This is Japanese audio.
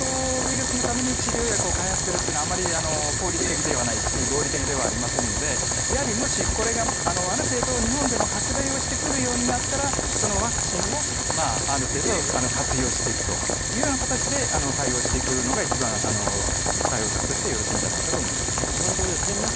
このサル痘ウイルスのために治療薬を開発するというのはあまり効率的ではないですし合理的ではありませんのでやはり、もしこれがある程度日本でも拡大をしてくるようになったらそのワクチンをある程度活用していくというような形で対応していくのが一番対応策としては、よろしいんじゃないかと思います。